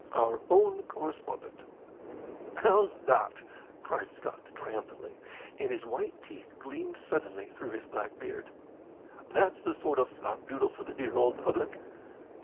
Our own correspondent. "How's that?" cried Scott, triumphantly, and his white teeth gleamed suddenly through his black beard. "That's the sort of flapdoodle for the dear old public."